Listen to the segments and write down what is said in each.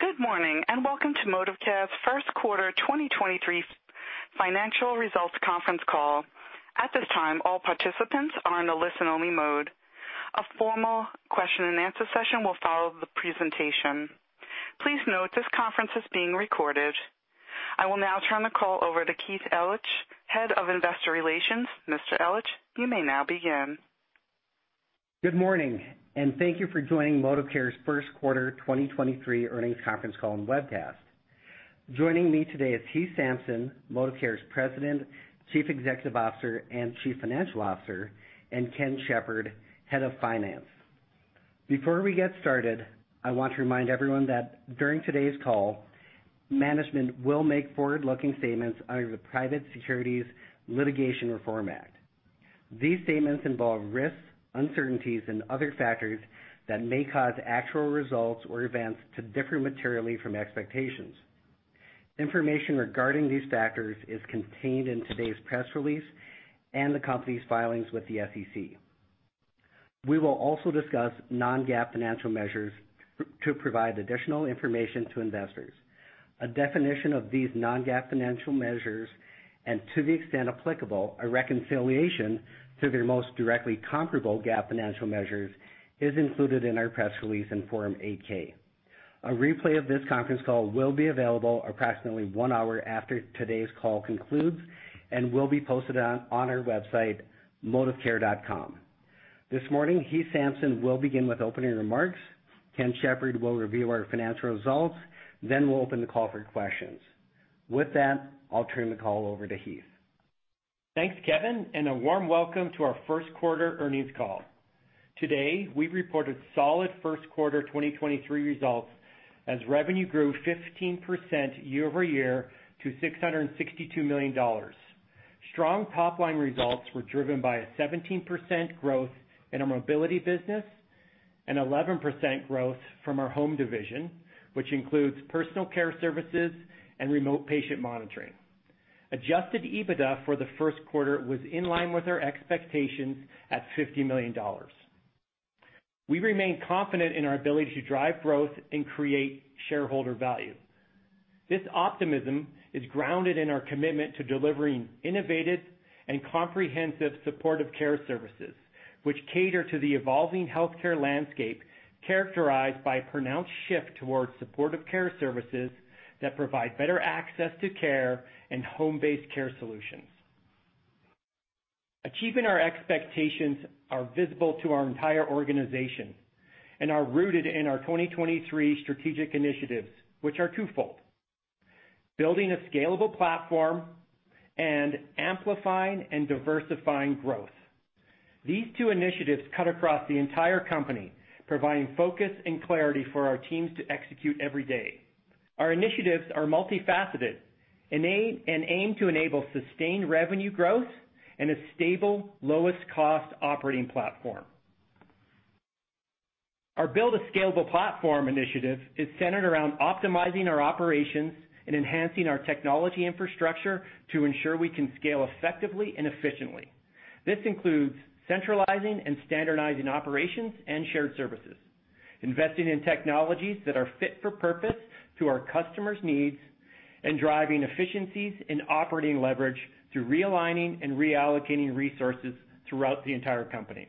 Good morning, welcome to ModivCare's first quarter 2023 financial results conference call. At this time, all participants are in a listen-only mode. A formal question-and-answer session will follow the presentation. Please note this conference is being recorded. I will now turn the call over to Kevin Ellich, Head of Investor Relations. Mr. Ellich, you may now begin. Good morning. Thank you for joining ModivCare's first quarter 2023 earnings conference call and webcast. Joining me today is Heath Sampson, ModivCare's President, Chief Executive Officer, and Chief Financial Officer, and Ken Shepard, Head of Finance. Before we get started, I want to remind everyone that during today's call, management will make forward-looking statements under the Private Securities Litigation Reform Act. These statements involve risks, uncertainties, and other factors that may cause actual results or events to differ materially from expectations. Information regarding these factors is contained in today's press release and the company's filings with the SEC. We will also discuss non-GAAP financial measures to provide additional information to investors. A definition of these non-GAAP financial measures, and to the extent applicable, a reconciliation to their most directly comparable GAAP financial measures, is included in our press release in Form 8-K. A replay of this conference call will be available approximately one hour after today's call concludes and will be posted on our website, modivcare.com. This morning, Heath Sampson will begin with opening remarks. Ken Shepard will review our financial results, then we'll open the call for questions. With that, I'll turn the call over to Heath. Thanks, Kevin, and a warm welcome to our first quarter 2023 earnings call. Today, we reported solid first quarter 2023 results as revenue grew 15% year-over-year to $662 million. Strong top-line results were driven by a 17% growth in our mobility business and 11% growth from our home division, which includes personal care services and remote patient monitoring. Adjusted EBITDA for the first quarter was in line with our expectations at $50 million. We remain confident in our ability to drive growth and create shareholder value. This optimism is grounded in our commitment to delivering innovative and comprehensive supportive care services, which cater to the evolving healthcare landscape characterized by a pronounced shift towards supportive care services that provide better access to care and home-based care solutions. Achieving our expectations are visible to our entire organization and are rooted in our 2023 strategic initiatives, which are twofold: Building a Scalable Platform and Amplifying and Diversifying Growth. These two initiatives cut across the entire company, providing focus and clarity for our teams to execute every day. Our initiatives are multifaceted and aim to enable sustained revenue growth in a stable, lowest-cost operating platform. Our Build a Scalable Platform initiative is centered around optimizing our operations and enhancing our technology infrastructure to ensure we can scale effectively and efficiently. This includes centralizing and standardizing operations and shared services, investing in technologies that are fit for purpose to our customers' needs, and driving efficiencies and operating leverage through realigning and reallocating resources throughout the entire company.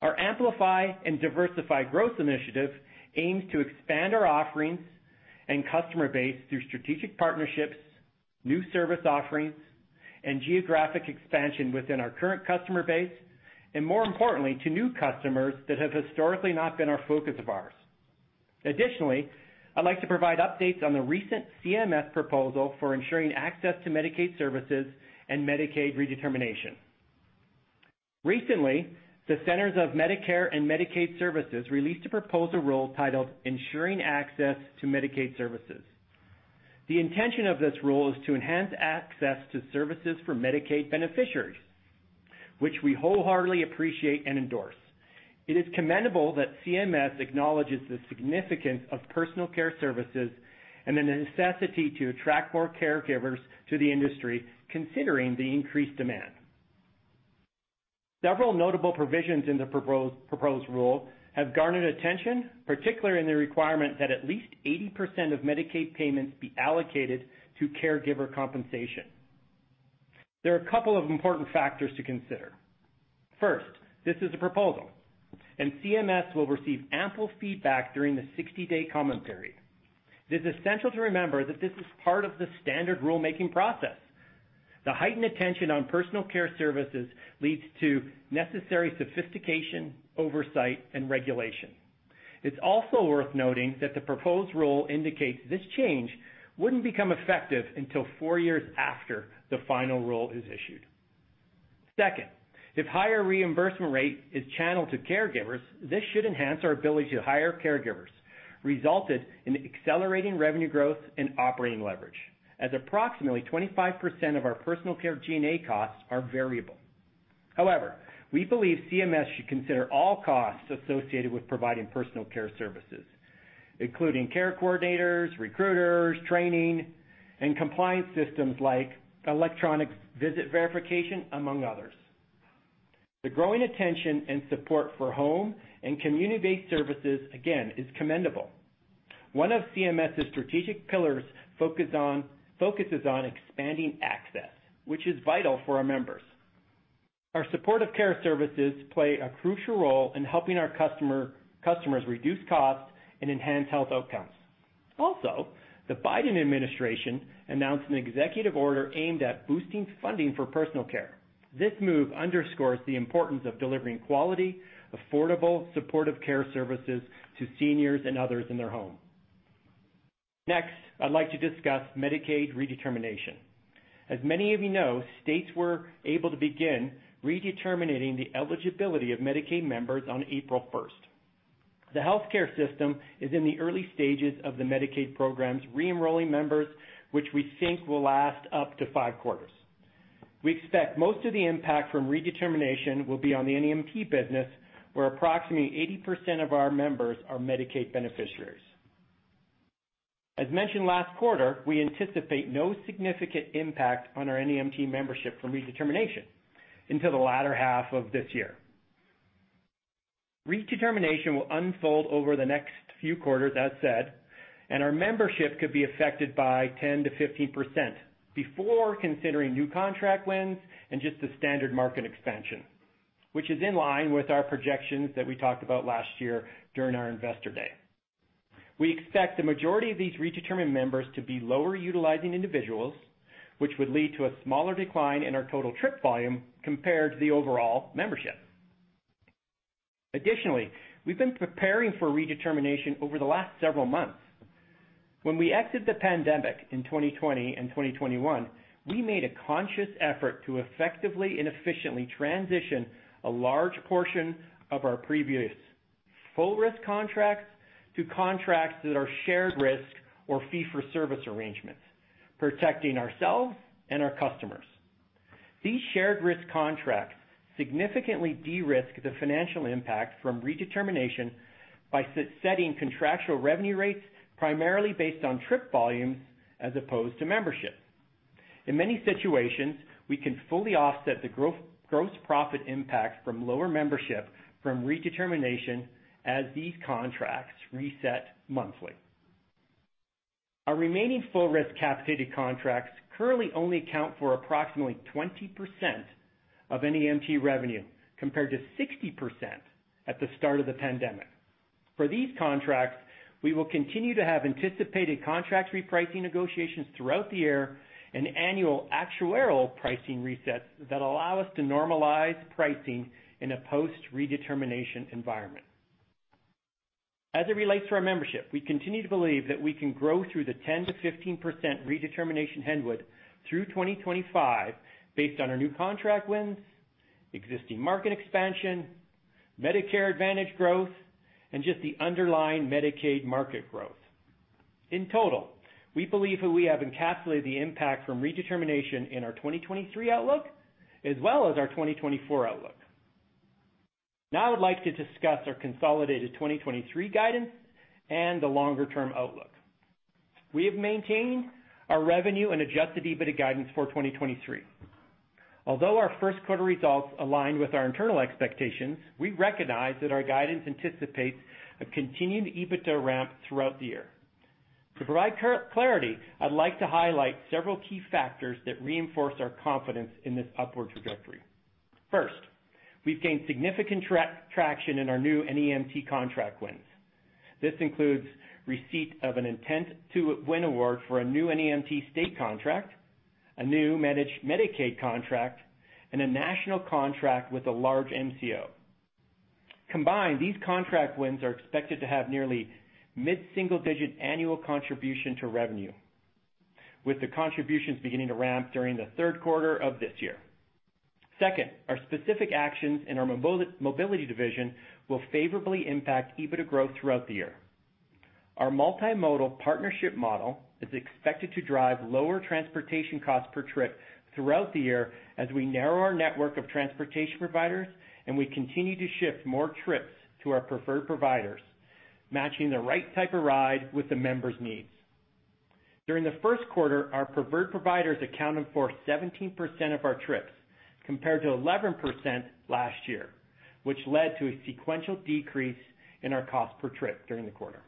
Our Amplify and Diversify Growth initiative aims to expand our offerings and customer base through strategic partnerships, new service offerings, and geographic expansion within our current customer base, and more importantly, to new customers that have historically not been our focus of ours. Additionally, I'd like to provide updates on the recent CMS proposal for Ensuring Access to Medicaid Services and Medicaid redetermination. Recently, the Centers for Medicare & Medicaid Services released a proposed rule titled Ensuring Access to Medicaid Services. The intention of this rule is to enhance access to services for Medicaid beneficiaries, which we wholeheartedly appreciate and endorse. It is commendable that CMS acknowledges the significance of personal care services and the necessity to attract more caregivers to the industry, considering the increased demand. Several notable provisions in the proposed rule have garnered attention, particularly in the requirement that at least 80% of Medicaid payments be allocated to caregiver compensation. There are a couple of important factors to consider. First, this is a proposal, and CMS will receive ample feedback during the 60-day commentary. It is essential to remember that this is part of the standard rulemaking process. The heightened attention on personal care services leads to necessary sophistication, oversight, and regulation. It's also worth noting that the proposed rule indicates this change wouldn't become effective until 4 years after the final rule is issued. Second, if higher reimbursement rate is channeled to caregivers, this should enhance our ability to hire caregivers, resulted in accelerating revenue growth and operating leverage, as approximately 25% of our personal care G&A costs are variable. We believe CMS should consider all costs associated with providing personal care services, including care coordinators, recruiters, training, and compliance systems like Electronic Visit Verification, among others. The growing attention and support for home and community-based services, again, is commendable. One of CMS's strategic pillars focuses on expanding access, which is vital for our members. Our supportive care services play a crucial role in helping our customers reduce costs and enhance health outcomes. The Biden administration announced an executive order aimed at boosting funding for personal care. This move underscores the importance of delivering quality, affordable, supportive care services to seniors and others in their home. I'd like to discuss Medicaid redetermination. As many of you know, states were able to begin redeterminating the eligibility of Medicaid members on April 1st. The healthcare system is in the early stages of the Medicaid programs re-enrolling members, which we think will last up to five quarters. We expect most of the impact from redetermination will be on the NEMT business, where approximately 80% of our members are Medicaid beneficiaries. As mentioned last quarter, we anticipate no significant impact on our NEMT membership from redetermination until the latter half of this year. Redetermination will unfold over the next few quarters, as said, and our membership could be affected by 10%-15% before considering new contract wins and just the standard market expansion, which is in line with our projections that we talked about last year during our Investor Day. We expect the majority of these redetermined members to be lower utilizing individuals, which would lead to a smaller decline in our total trip volume compared to the overall membership. Additionally, we've been preparing for redetermination over the last several months. When we exited the pandemic in 2020 and 2021, we made a conscious effort to effectively and efficiently transition a large portion of our previous full risk contracts to contracts that are shared risk or fee for service arrangements, protecting ourselves and our customers. These shared risk contracts significantly de-risk the financial impact from redetermination by setting contractual revenue rates primarily based on trip volumes as opposed to membership. In many situations, we can fully offset the growth, gross profit impact from lower membership from redetermination as these contracts reset monthly. Our remaining full risk capitated contracts currently only account for approximately 20% of NEMT revenue, compared to 60% at the start of the pandemic. For these contracts, we will continue to have anticipated contract repricing negotiations throughout the year and annual actuarial pricing resets that allow us to normalize pricing in a post-redetermination environment. As it relates to our membership, we continue to believe that we can grow through the 10%-15% redetermination headwind through 2025 based on our new contract wins, existing market expansion, Medicare Advantage growth, and just the underlying Medicaid market growth. In total, we believe that we have encapsulated the impact from redetermination in our 2023 outlook as well as our 2024 outlook. Now I would like to discuss our consolidated 2023 guidance and the longer term outlook. We have maintained our revenue and adjusted EBITDA guidance for 2023. Although our first quarter results aligned with our internal expectations, we recognize that our guidance anticipates a continued EBITDA ramp throughout the year. To provide clarity, I'd like to highlight several key factors that reinforce our confidence in this upward trajectory. First, we've gained significant traction in our new NEMT contract wins. This includes receipt of an intent to win award for a new NEMT state contract, a new managed Medicaid contract, and a national contract with a large MCO. Combined, these contract wins are expected to have nearly mid-single digit annual contribution to revenue, with the contributions beginning to ramp during the third quarter of this year. Second, our specific actions in our mobility division will favorably impact EBITDA growth throughout the year. Our multimodal partnership model is expected to drive lower transportation costs per trip throughout the year as we narrow our network of transportation providers and we continue to shift more trips to our preferred providers, matching the right type of ride with the members' needs. During the first quarter, our preferred providers accounted for 17% of our trips, compared to 11% last year, which led to a sequential decrease in our cost per trip during the quarter.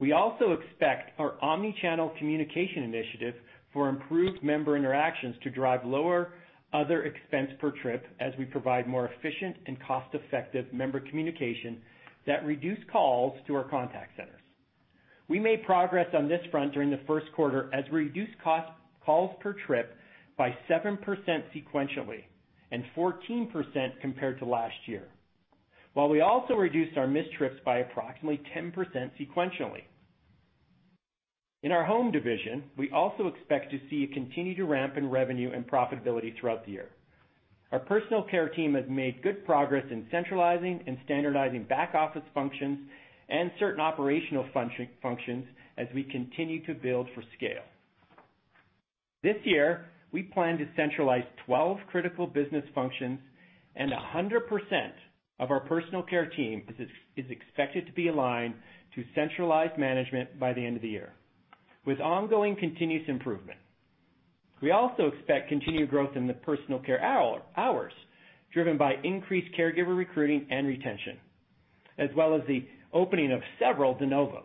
We also expect our omni-channel communication initiative for improved member interactions to drive lower other expense per trip as we provide more efficient and cost-effective member communication that reduce calls to our contact centers. We made progress on this front during the first quarter as we reduced calls per trip by 7% sequentially and 14% compared to last year. While we also reduced our missed trips by approximately 10% sequentially. In our home division, we also expect to see a continued ramp in revenue and profitability throughout the year. Our personal care team has made good progress in centralizing and standardizing back office functions and certain operational functions as we continue to build for scale. This year, we plan to centralize 12 critical business functions and 100% of our personal care team is expected to be aligned to centralized management by the end of the year. With ongoing continuous improvement. We also expect continued growth in the personal care hours, driven by increased caregiver recruiting and retention, as well as the opening of several de novos.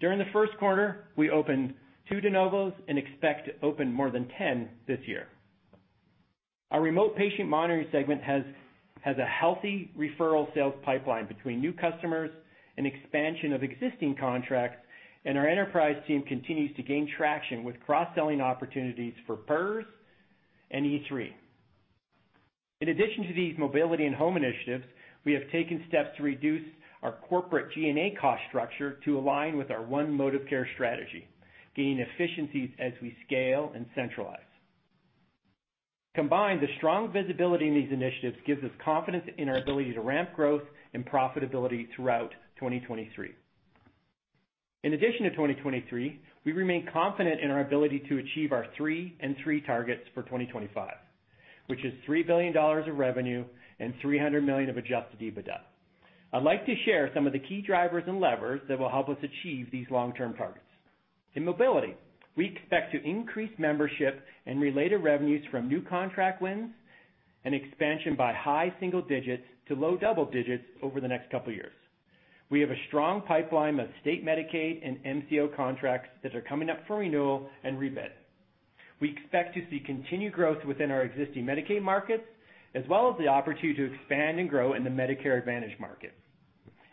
During the first quarter, we opened two de novos and expect to open more than 10 this year. Our remote patient monitoring segment has a healthy referral sales pipeline between new customers and expansion of existing contracts, and our enterprise team continues to gain traction with cross-selling opportunities for PERS and E3. In addition to these mobility and home initiatives, we have taken steps to reduce our corporate G&A cost structure to align with our One ModivCare strategy, gaining efficiencies as we scale and centralize. The strong visibility in these initiatives gives us confidence in our ability to ramp growth and profitability throughout 2023. We remain confident in our ability to achieve our three and three targets for 2025, which is $3 billion of revenue and $300 million of adjusted EBITDA. I'd like to share some of the key drivers and levers that will help us achieve these long-term targets. We expect to increase membership and related revenues from new contract wins and expansion by high single digits to low double digits over the next couple of years. We have a strong pipeline of state Medicaid and MCO contracts that are coming up for renewal and rebid. We expect to see continued growth within our existing Medicaid markets, as well as the opportunity to expand and grow in the Medicare Advantage market.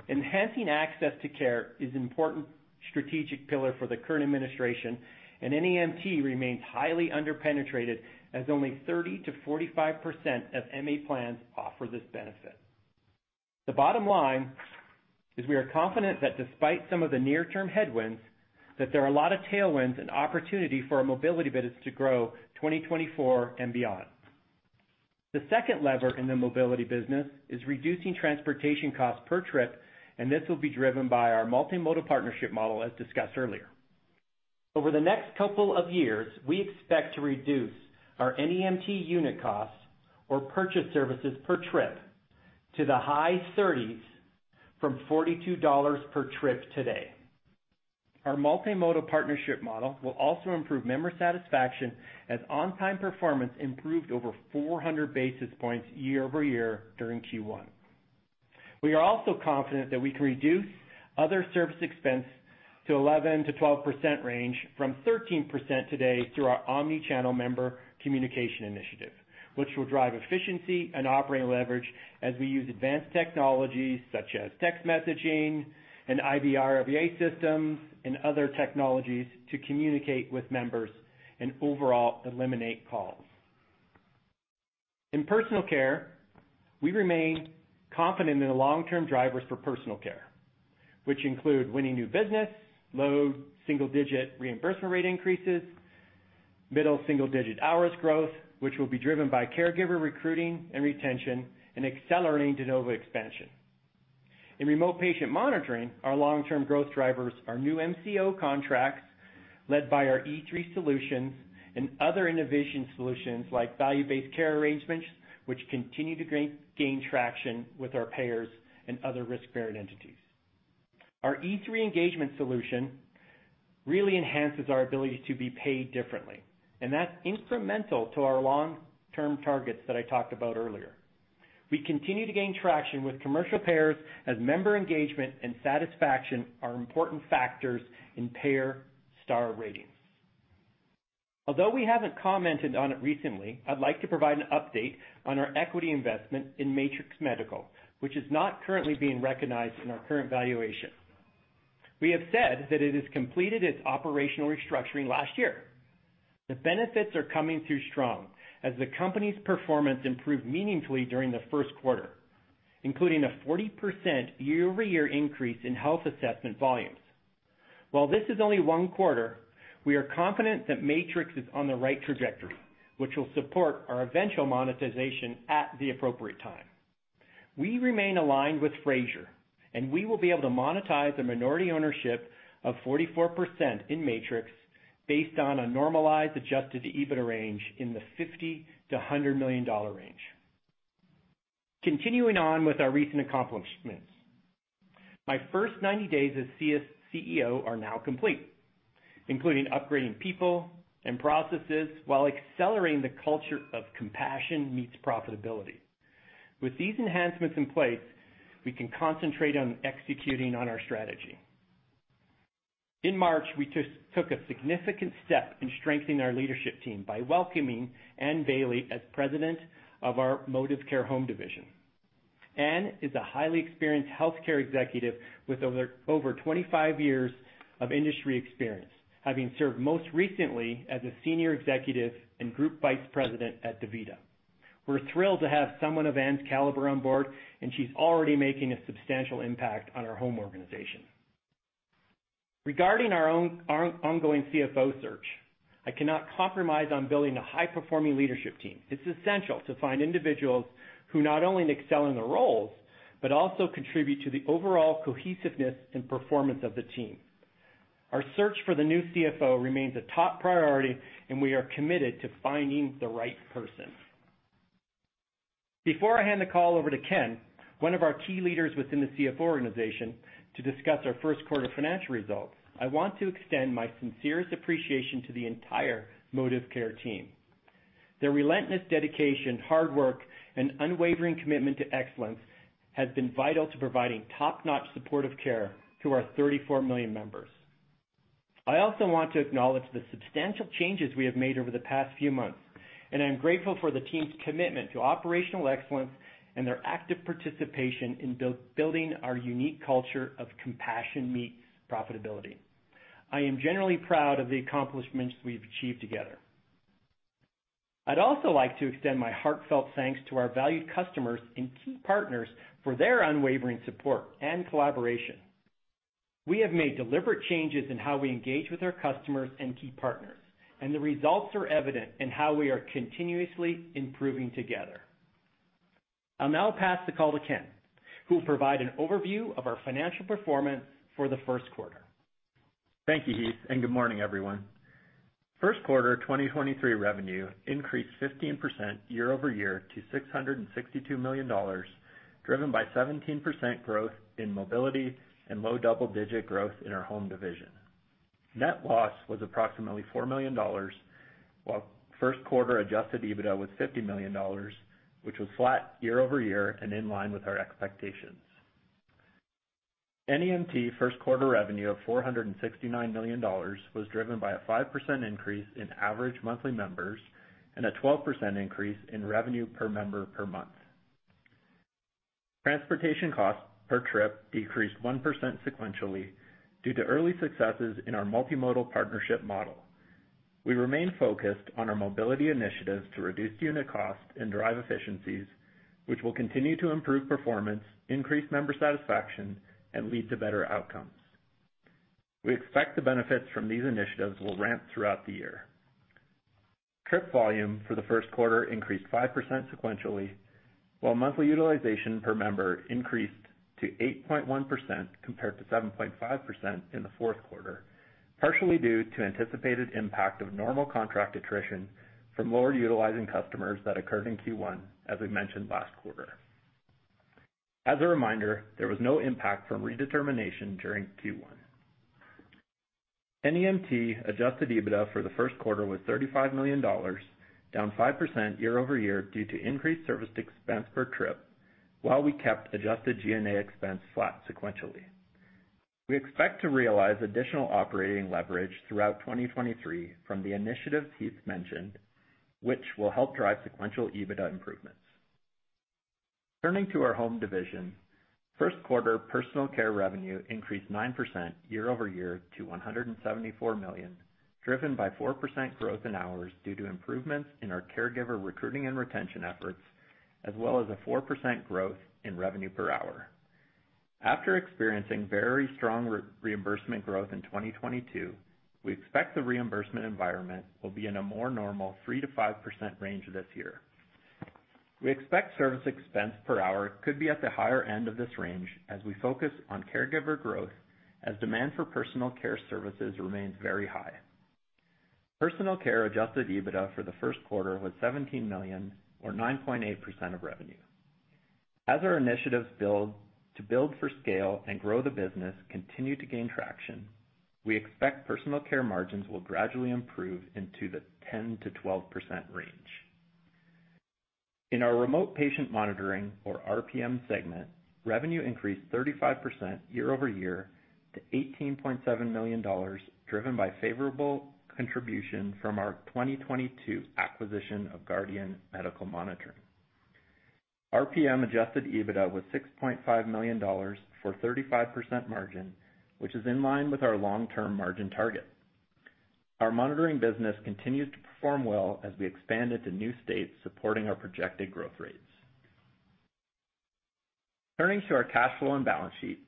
Enhancing access to care is an important strategic pillar for the current administration. NEMT remains highly under-penetrated, as only 30%-45% of MA plans offer this benefit. The bottom line is we are confident that despite some of the near-term headwinds, that there are a lot of tailwinds and opportunity for our mobility business to grow 2024 and beyond. The second lever in the mobility business is reducing transportation costs per trip. This will be driven by our multimodal partnership model, as discussed earlier. Over the next couple of years, we expect to reduce our NEMT unit costs or purchase services per trip to the high thirties from $42 per trip today. Our multimodal partnership model will also improve member satisfaction as on-time performance improved over 400 basis points year-over-year during Q1. We are also confident that we can reduce other service expense to 11%-12% range from 13% today through our omni-channel member communication initiative, which will drive efficiency and operating leverage as we use advanced technologies such as text messaging and IVR/IVA systems and other technologies to communicate with members and overall eliminate calls. In personal care, we remain confident in the long-term drivers for personal care, which include winning new business, low single-digit reimbursement rate increases, middle single-digit hours growth, which will be driven by caregiver recruiting and retention, and accelerating de novo expansion. In remote patient monitoring, our long-term growth drivers are new MCO contracts led by our E3 solutions and other innovation solutions like value-based care arrangements, which continue to gain traction with our payers and other risk-bearing entities. Our E3 engagement solution really enhances our ability to be paid differently, and that's incremental to our long-term targets that I talked about earlier. We continue to gain traction with commercial payers as member engagement and satisfaction are important factors in payer star ratings. Although we haven't commented on it recently, I'd like to provide an update on our equity investment in Matrix Medical, which is not currently being recognized in our current valuation. We have said that it has completed its operational restructuring last year. The benefits are coming through strong as the company's performance improved meaningfully during the first quarter, including a 40% year-over-year increase in health assessment volumes. While this is only one quarter, we are confident that Matrix is on the right trajectory, which will support our eventual monetization at the appropriate time. We remain aligned with Frazier, and we will be able to monetize a minority ownership of 44% in Matrix based on a normalized adjusted EBITDA range in the $50 million-$100 million range. Continuing on with our recent accomplishments. My first 90 days as CEO are now complete, including upgrading people and processes while accelerating the culture of compassion meets profitability. With these enhancements in place, we can concentrate on executing on our strategy. In March, we took a significant step in strengthening our leadership team by welcoming Anne Bailey as President of our ModivCare Home Division. Anne is a highly experienced healthcare executive with over 25 years of industry experience, having served most recently as a Senior Executive and Group Vice President at DaVita. We're thrilled to have someone of Anne's caliber on board, and she's already making a substantial impact on our home organization. Regarding our ongoing CFO search, I cannot compromise on building a high-performing leadership team. It's essential to find individuals who not only excel in their roles, but also contribute to the overall cohesiveness and performance of the team. Our search for the new CFO remains a top priority, and we are committed to finding the right person. Before I hand the call over to Ken, one of our key leaders within the CFO organization, to discuss our first quarter financial results, I want to extend my sincerest appreciation to the entire ModivCare team. Their relentless dedication, hard work, and unwavering commitment to excellence has been vital to providing top-notch supportive care to our 34 million members. I also want to acknowledge the substantial changes we have made over the past few months, and I'm grateful for the team's commitment to operational excellence and their active participation in building our unique culture of compassion meets profitability. I am generally proud of the accomplishments we've achieved together. I'd also like to extend my heartfelt thanks to our valued customers and key partners for their unwavering support and collaboration. We have made deliberate changes in how we engage with our customers and key partners, and the results are evident in how we are continuously improving together. I'll now pass the call to Ken, who will provide an overview of our financial performance for the first quarter. Thank you, Heath. Good morning, everyone. First quarter of 2023 revenue increased 15% year-over-year to $662 million, driven by 17% growth in mobility and low double-digit growth in our home division. Net loss was approximately $4 million, while first quarter adjusted EBITDA was $50 million, which was flat year-over-year and in line with our expectations. NEMT first quarter revenue of $469 million was driven by a 5% increase in average monthly members and a 12% increase in revenue per member per month. Transportation costs per trip decreased 1% sequentially due to early successes in our multimodal partnership model. We remain focused on our mobility initiatives to reduce unit cost and drive efficiencies, which will continue to improve performance, increase member satisfaction, and lead to better outcomes. We expect the benefits from these initiatives will ramp throughout the year. Trip volume for the first quarter increased 5% sequentially, while monthly utilization per member increased to 8.1% compared to 7.5% in the fourth quarter, partially due to anticipated impact of normal contract attrition from lower utilizing customers that occurred in Q1, as we mentioned last quarter. As a reminder, there was no impact from redetermination during Q1. NEMT adjusted EBITDA for the first quarter was $35 million, down 5% year-over-year due to increased service expense per trip while we kept adjusted G&A expense flat sequentially. We expect to realize additional operating leverage throughout 2023 from the initiatives Heath mentioned, which will help drive sequential EBITDA improvements. Turning to our home division, first quarter personal care revenue increased 9% year-over-year to $174 million, driven by 4% growth in hours due to improvements in our caregiver recruiting and retention efforts, as well as a 4% growth in revenue per hour. After experiencing very strong reimbursement growth in 2022, we expect the reimbursement environment will be in a more normal 3%-5% range this year. We expect service expense per hour could be at the higher end of this range as we focus on caregiver growth as demand for personal care services remains very high. Personal care adjusted EBITDA for the first quarter was $17 million or 9.8% of revenue. As our initiatives to build for scale and grow the business continue to gain traction, we expect personal care margins will gradually improve into the 10%-12% range. In our remote patient monitoring or RPM segment, revenue increased 35% year-over-year to $18.7 million, driven by favorable contribution from our 2022 acquisition of Guardian Medical Monitoring. RPM adjusted EBITDA was $6.5 million for 35% margin, which is in line with our long-term margin target. Our monitoring business continues to perform well as we expand into new states supporting our projected growth rates. Turning to our cash flow and balance sheet.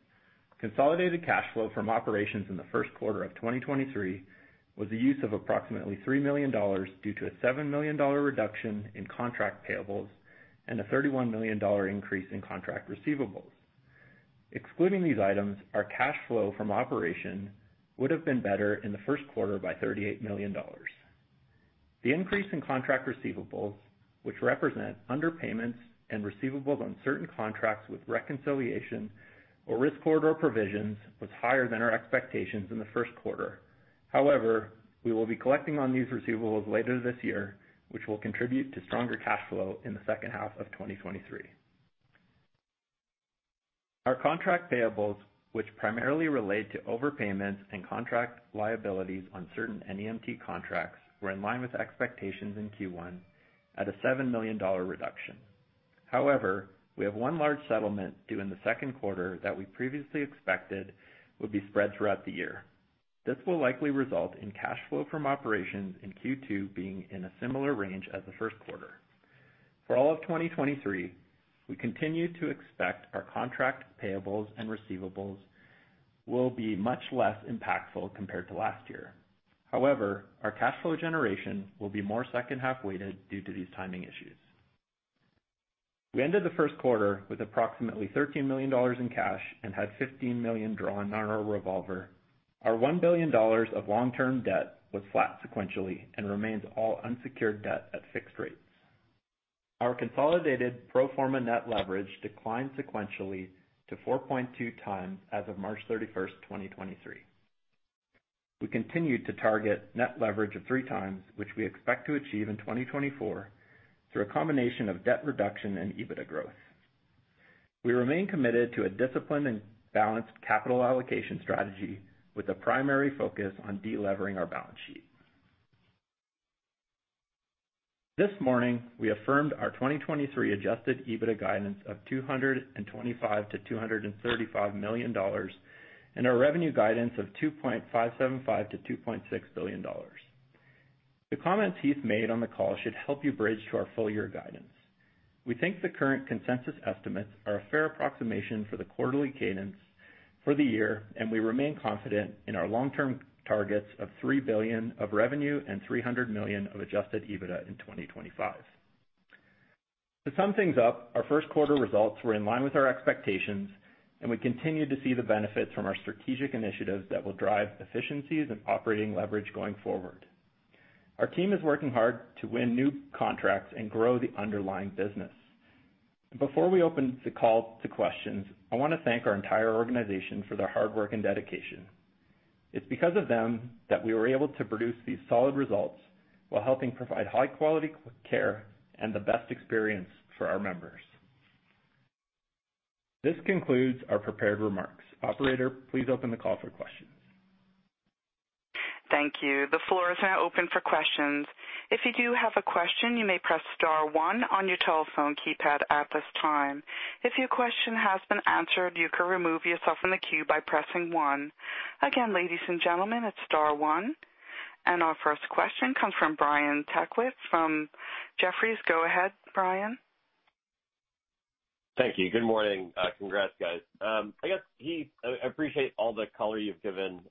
Consolidated cash flow from operations in the first quarter of 2023 was a use of approximately $3 million due to a $7 million reduction in contract payables and a $31 million increase in contract receivables. Excluding these items, our cash flow from operation would have been better in the first quarter by $38 million. The increase in contract receivables, which represent underpayments and receivables on certain contracts with reconciliation or risk corridor provisions, was higher than our expectations in the first quarter. However, we will be collecting on these receivables later this year, which will contribute to stronger cash flow in the second half of 2023. Our contract payables, which primarily relate to overpayments and contract liabilities on certain NEMT contracts, were in line with expectations in Q1 at a $7 million reduction. We have one large settlement due in the second quarter that we previously expected would be spread throughout the year. This will likely result in cash flow from operations in Q2 being in a similar range as the first quarter. For all of 2023, we continue to expect our contract payables and receivables will be much less impactful compared to last year. Our cash flow generation will be more second half-weighted due to these timing issues. We ended the first quarter with approximately $13 million in cash and had $15 million drawn on our revolver. Our $1 billion of long-term debt was flat sequentially and remains all unsecured debt at fixed rates. Our consolidated pro forma net leverage declined sequentially to 4.2 times as of March 31st, 2023. We continued to target net leverage of 3 times, which we expect to achieve in 2024 through a combination of debt reduction and EBITDA growth. We remain committed to a disciplined and balanced capital allocation strategy with a primary focus on de-levering our balance sheet. This morning, we affirmed our 2023 adjusted EBITDA guidance of $225 million-$235 million and our revenue guidance of $2.575 billion-$2.6 billion. The comments Heath made on the call should help you bridge to our full year guidance. We think the current consensus estimates are a fair approximation for the quarterly cadence for the year. We remain confident in our long-term targets of $3 billion of revenue and $300 million of adjusted EBITDA in 2025. To sum things up, our first quarter results were in line with our expectations. We continue to see the benefits from our strategic initiatives that will drive efficiencies and operating leverage going forward. Our team is working hard to win new contracts and grow the underlying business. Before we open the call to questions, I want to thank our entire organization for their hard work and dedication. It's because of them that we were able to produce these solid results while helping provide high quality care and the best experience for our members. This concludes our prepared remarks. Operator, please open the call for questions. Thank you. The floor is now open for questions. If you do have a question, you may press star one on your telephone keypad at this time. If your question has been answered, you can remove yourself from the queue by pressing one. Again, ladies and gentlemen, it's star one. Our first question comes from Brian Tanquilut from Jefferies. Go ahead, Brian. Thank you. Good morning. Congrats, guys. I guess, Heath, I appreciate all the color you've given,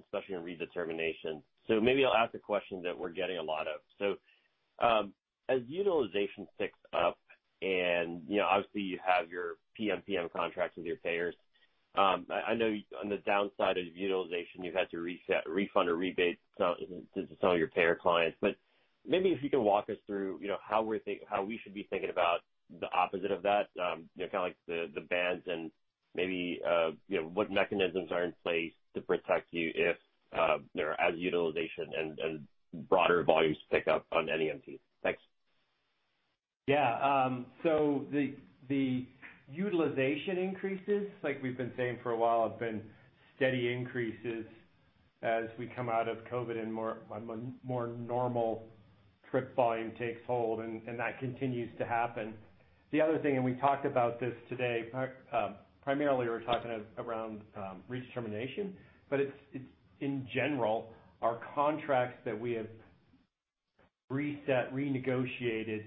especially on redetermination. Maybe I'll ask a question that we're getting a lot of. As utilization ticks up and, you know, obviously you have your PMPM contracts with your payers, I know on the downside of utilization, you've had to refund or rebate some to some of your payer clients. Maybe if you can walk us through, you know, how we should be thinking about the opposite of that. You know, kind of like the bands and maybe, you know, what mechanisms are in place to protect you if, you know, as utilization and broader volumes pick up on NEMT. Thanks. Yeah. The utilization increases, like we've been saying for a while, have been steady increases as we come out of COVID and more normal trip volume takes hold, and that continues to happen. The other thing, we talked about this today, primarily we're talking around redetermination, it's in general, our contracts that we have reset, renegotiated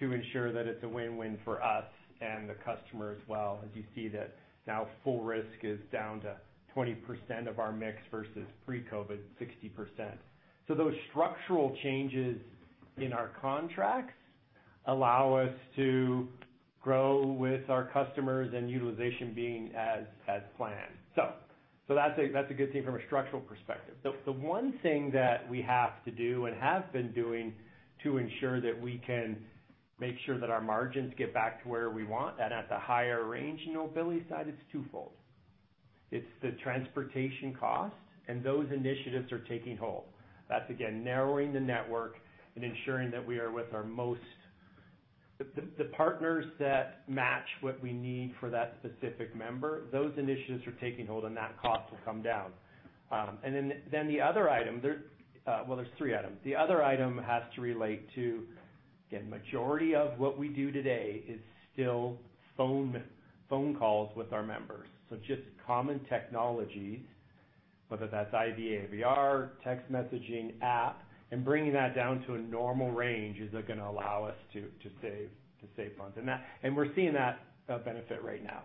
to ensure that it's a win-win for us and the customer as well, as you see that now full risk is down to 20% of our mix versus pre-COVID, 60%. Those structural changes in our contracts allow us to grow with our customers and utilization being as planned. That's a good thing from a structural perspective. The one thing that we have to do and have been doing to ensure that we can make sure that our margins get back to where we want and at the higher range, you know, Billy side, it's twofold. It's the transportation costs, and those initiatives are taking hold. That's again, narrowing the network and ensuring that we are with our partners that match what we need for that specific member, those initiatives are taking hold and that cost will come down. And then the other item, there, well, there's three items. The other item has to relate to, again, majority of what we do today is still phone calls with our members. Just common technologies, whether that's IVR, text messaging, app, and bringing that down to a normal range is gonna allow us to save funds. We're seeing that benefit right now.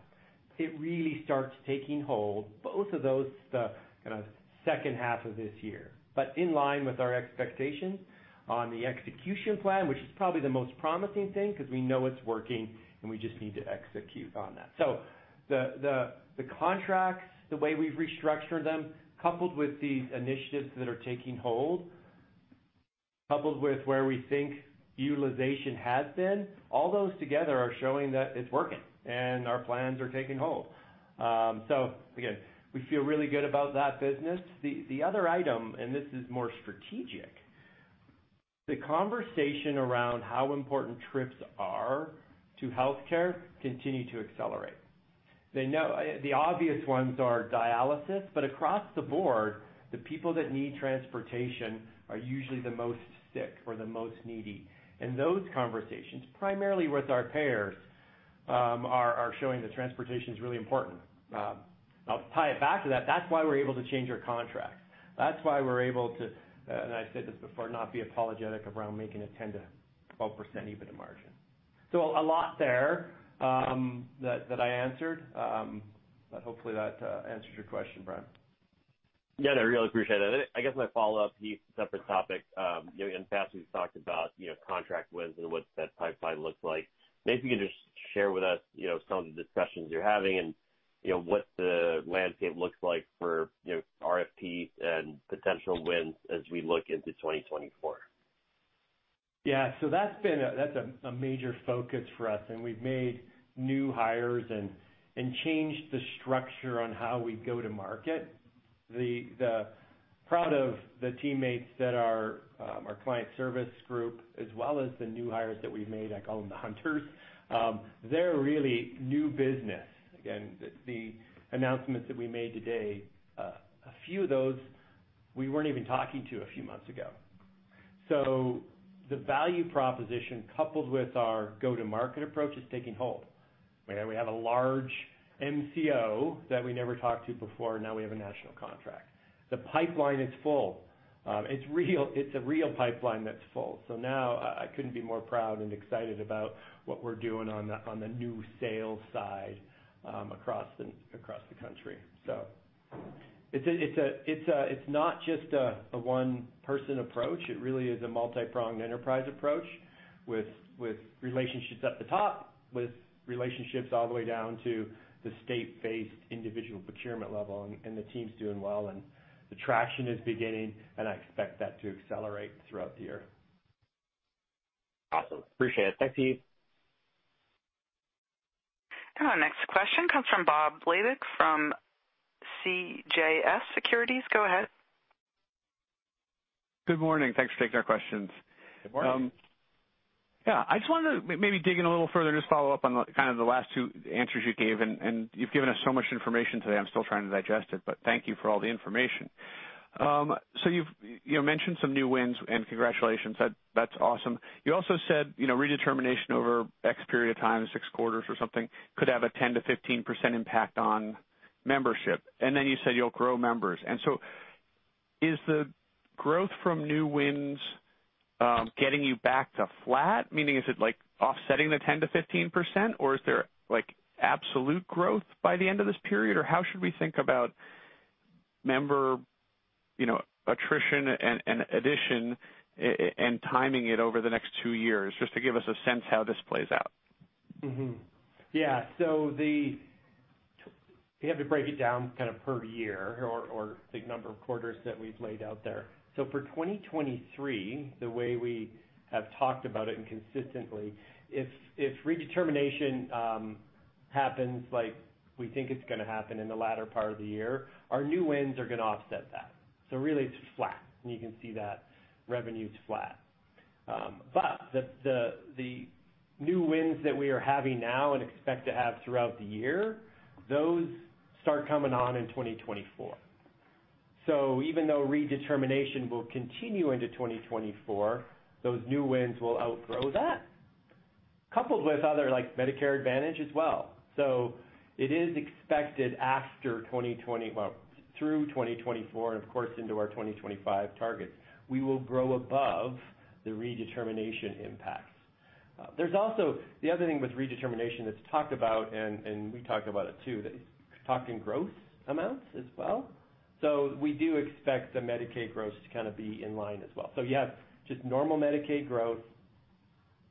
It really starts taking hold, both of those, the kind of second half of this year. In line with our expectations on the execution plan, which is probably the most promising thing because we know it's working, and we just need to execute on that. The contracts, the way we've restructured them, coupled with these initiatives that are taking hold, coupled with where we think utilization has been, all those together are showing that it's working and our plans are taking hold. Again, we feel really good about that business. The other item, and this is more strategic, the conversation around how important trips are to healthcare continue to accelerate. The obvious ones are dialysis, but across the board, the people that need transportation are usually the most sick or the most needy. Those conversations, primarily with our payers, are showing that transportation is really important. I'll tie it back to that. That's why we're able to change our contracts. That's why we're able to, and I said this before, not be apologetic around making a 10%-12% EBITDA margin. A lot there, that I answered. Hopefully that answers your question, Brian. Yeah, I really appreciate it. I guess my follow-up, Heath, separate topic. You know, in the past, we've talked about, you know, contract wins and what that pipeline looks like. Maybe you can just share with us, you know, some of the discussions you're having and, you know, what the landscape looks like for, you know, RFP and potential wins as we look into 2024. That's been a, that's a major focus for us, and we've made new hires and changed the structure on how we go to market. Proud of the teammates that are our client service group, as well as the new hires that we've made. I call them the hunters. They're really new business. Again, the announcements that we made today, a few of those we weren't even talking to a few months ago. The value proposition coupled with our go-to-market approach is taking hold, where we have a large MCO that we never talked to before. Now we have a national contract. The pipeline is full. It's real. It's a real pipeline that's full. Now I couldn't be more proud and excited about what we're doing on the new sales side across the country. It's not just a one-person approach. It really is a multipronged enterprise approach with relationships at the top, with relationships all the way down to the state-based individual procurement level. The team's doing well, the traction is beginning, and I expect that to accelerate throughout the year. Awesome. Appreciate it. Thanks, Heath. Our next question comes from Bob Labick from CJS Securities. Go ahead. Good morning. Thanks for taking our questions. Good morning. Yeah, I just wanna maybe dig in a little further, just follow up on the kind of the last two answers you gave. You've given us so much information today, I'm still trying to digest it, but thank you for all the information. So you've, you know, mentioned some new wins and congratulations. That's awesome. You also said, you know, redetermination over X period of time, six quarters or something, could have a 10%-15% impact on membership. Then you said you'll grow members. Is the growth from new wins, getting you back to flat? Meaning is it like offsetting the 10%-15%, or is there like absolute growth by the end of this period? Or how should we think about member, you know, attrition and addition and timing it over the next two years? Just to give us a sense how this plays out. Yeah. You have to break it down kind of per year or the number of quarters that we've laid out there. For 2023, the way we have talked about it and consistently, if redetermination happens like we think it's gonna happen in the latter part of the year, our new wins are gonna offset that. Really it's flat, and you can see that revenue's flat. The new wins that we are having now and expect to have throughout the year, those start coming on in 2024. Even though redetermination will continue into 2024, those new wins will outgrow that, coupled with other like Medicare Advantage as well. It is expected after well, through 2024 and of course into our 2025 targets, we will grow above the redetermination impacts. There's also the other thing with redetermination that's talked about, and we talk about it too, that it's talked in growth amounts as well. We do expect the Medicaid growth to kind of be in line as well. You have just normal Medicaid growth,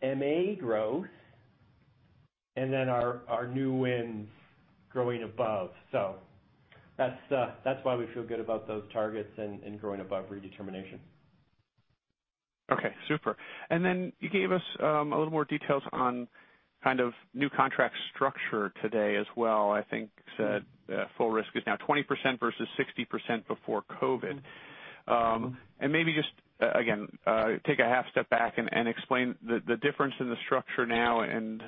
MA growth, and then our new wins growing above. That's why we feel good about those targets and growing above redetermination. Okay, super. You gave us a little more details on kind of new contract structure today as well. I think said full risk is now 20% versus 60% before COVID. Maybe just again take a half step back and explain the difference in the structure now and,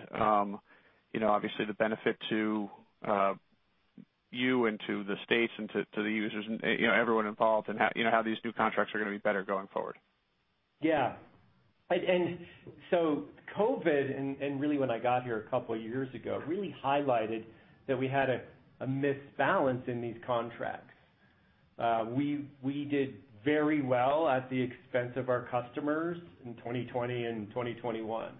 you know, obviously the benefit to you and to the states and to the users and, you know, everyone involved and how, you know, how these new contracts are gonna be better going forward. Yeah. COVID and really when I got here a couple years ago, really highlighted that we had a misbalance in these contracts. We did very well at the expense of our customers in 2020 and 2021.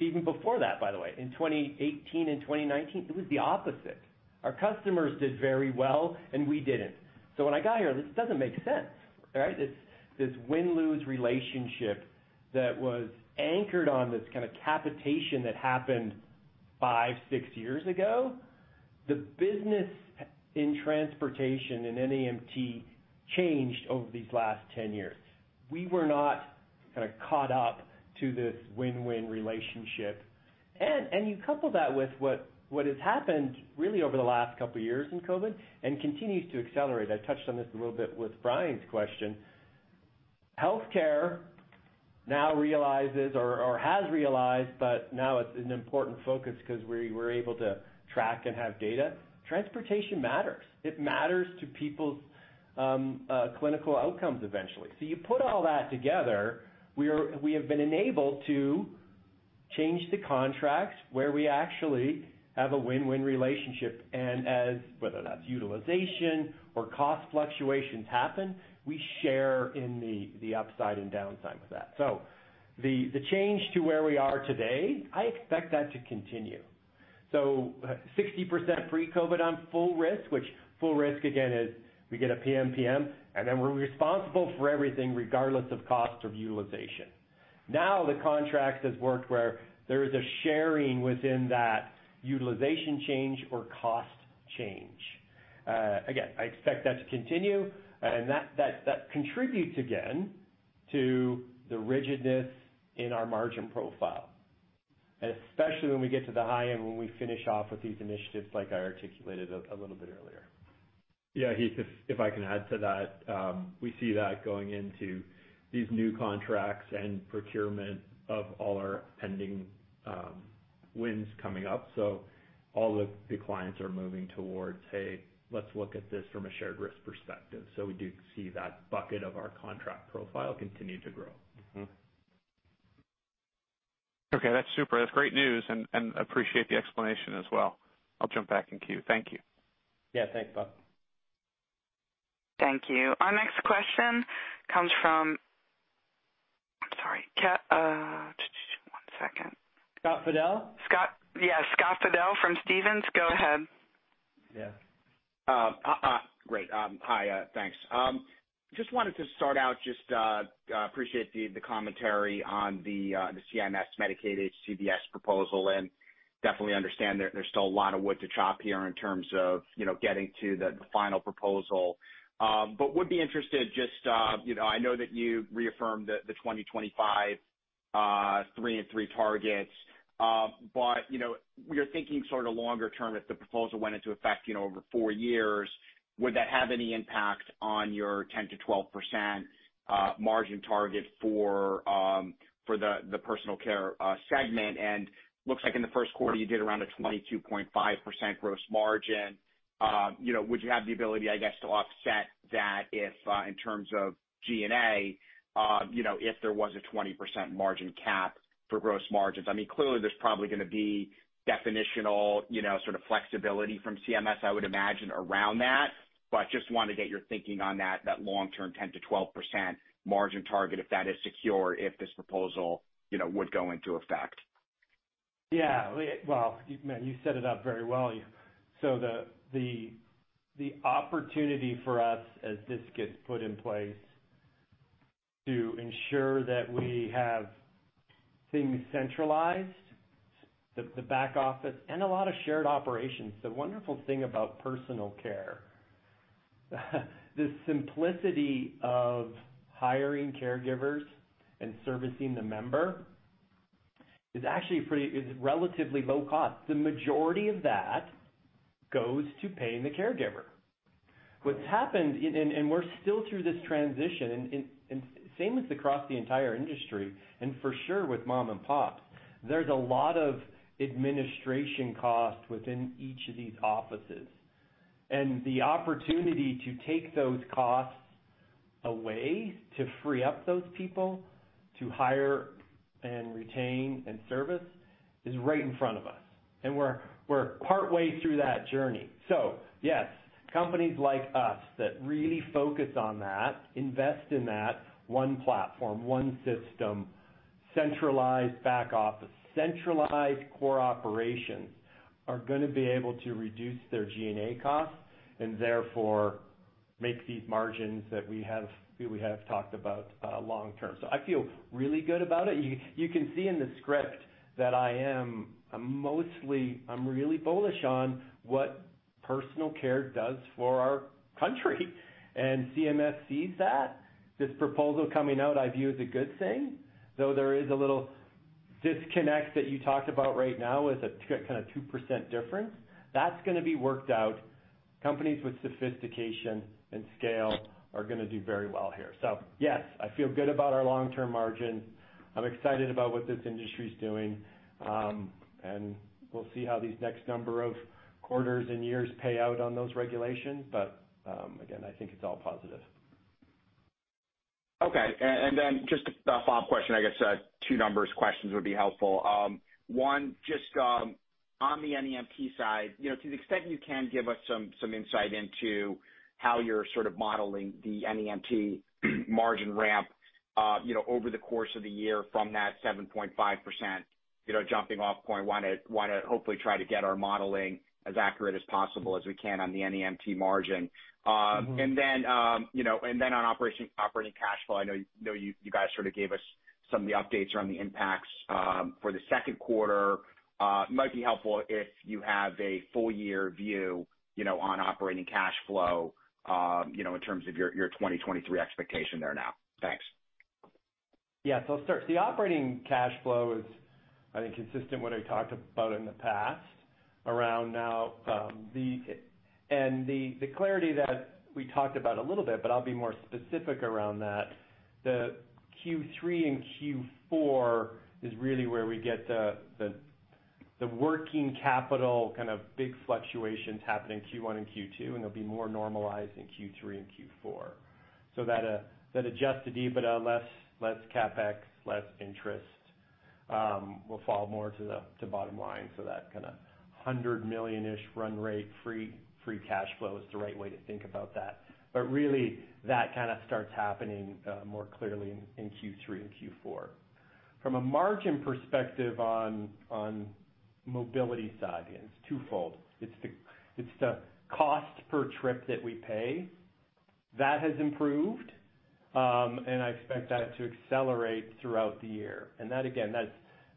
Even before that, by the way, in 2018 and 2019, it was the opposite. Our customers did very well, and we didn't. When I got here, this doesn't make sense, right? This win-lose relationship that was anchored on this kind of capitation that happened 5-6 years ago. The business in transportation and NEMT changed over these last 10 years. We were not kind of caught up to this win-win relationship. You couple that with what has happened really over the last couple years in COVID and continues to accelerate. I touched on this a little bit with Brian's question. Healthcare now realizes or has realized, but now it's an important focus 'cause we're able to track and have data. Transportation matters. It matters to people's clinical outcomes eventually. You put all that together, we have been enabled to change the contracts where we actually have a win-win relationship. As, whether that's utilization or cost fluctuations happen, we share in the upside and downside with that. The change to where we are today, I expect that to continue. 60% pre-COVID on full risk, which full risk again is we get a PMPM, and then we're responsible for everything regardless of cost of utilization. Now the contract has worked where there is a sharing within that utilization change or cost change. Again, I expect that to continue, and that contributes again to the rigidness in our margin profile. Especially when we get to the high end, when we finish off with these initiatives like I articulated a little bit earlier. Yeah, Heath, if I can add to that, we see that going into these new contracts and procurement of all our pending wins coming up. All the clients are moving towards, "Hey, let's look at this from a shared risk perspective." We do see that bucket of our contract profile continue to grow. Okay, that's super. That's great news, appreciate the explanation as well. I'll jump back in queue. Thank you. Yeah, thanks, Bob. Thank you. Our next question comes from... I'm sorry. One second. Scott Fidel? Scott... Yeah, Scott Fidel from Stephens. Go ahead. Yeah. Great. Hi, thanks. Just wanted to start out just appreciate the commentary on the CMS Medicaid HCBS proposal, and definitely understand there's still a lot of wood to chop here in terms of, you know, getting to the final proposal. Would be interested just, you know, I know that you reaffirmed the 2025 three and three targets, but, you know, you're thinking sort of longer term if the proposal went into effect, you know, over four years. Would that have any impact on your 10%-12% margin target for the personal care segment? Looks like in the first quarter, you did around a 22.5% gross margin. You know, would you have the ability, I guess, to offset that if in terms of G&A, you know, if there was a 20% margin cap for gross margins? I mean, clearly there's probably gonna be definitional, you know, sort of flexibility from CMS, I would imagine, around that. Just wanted to get your thinking on that long-term 10%-12% margin target, if that is secure, if this proposal, you know, would go into effect? Yeah. Well, man, you set it up very well. The opportunity for us as this gets put in place to ensure that we have things centralized, the back office and a lot of shared operations. The wonderful thing about personal care, the simplicity of hiring caregivers and servicing the member is actually relatively low cost. The majority of that goes to paying the caregiver. What's happened, and we're still through this transition, and same as across the entire industry, and for sure with mom and pops, there's a lot of administration costs within each of these offices. The opportunity to take those costs away, to free up those people to hire and retain and service is right in front of us, and we're partway through that journey. Yes, companies like us that really focus on that, invest in that one platform, one system, centralized back office, centralized core operations, are gonna be able to reduce their G&A costs and therefore make these margins that we have talked about long term. I feel really good about it. You can see in the script that I'm really bullish on what personal care does for our country, and CMS sees that. This proposal coming out I view as a good thing, though there is a little disconnect that you talked about right now as a kind of 2% difference. That's gonna be worked out. Companies with sophistication and scale are gonna do very well here. Yes, I feel good about our long-term margin. I'm excited about what this industry's doing. We'll see how these next number of quarters and years pay out on those regulations. Again, I think it's all positive. Okay. Then just a follow-up question, I guess, two numbers questions would be helpful. One, just, on the NEMT side, you know, to the extent you can give us some insight into how you're sort of modeling the NEMT margin ramp, you know, over the course of the year from that 7.5%, you know, jumping off point. Wanna hopefully try to get our modeling as accurate as possible as we can on the NEMT margin. And then on operating cash flow, I know you guys sort of gave us some of the updates around the impacts for the second quarter. Might be helpful if you have a full year view, you know, on operating cash flow, you know, in terms of your 2023 expectation there now. Thanks. I'll start. The operating cash flow is, I think, consistent what I talked about in the past around now. The clarity that we talked about a little bit, but I'll be more specific around that. The Q3 and Q4 is really where we get the working capital kind of big fluctuations happening Q1 and Q2, and it'll be more normalized in Q3 and Q4. That adjusted EBITDA, less CapEx, less interest, will fall more to the bottom line. That kinda $100 million-ish run rate free cash flow is the right way to think about that. But really, that kinda starts happening more clearly in Q3 and Q4. From a margin perspective on mobility side, it's twofold. It's the cost per trip that we pay. That has improved, and I expect that to accelerate throughout the year. That again,